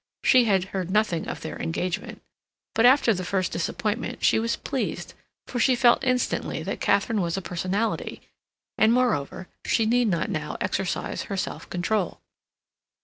She had heard nothing of their engagement. But after the first disappointment, she was pleased, for she felt instantly that Katharine was a personality, and, moreover, she need not now exercise her self control.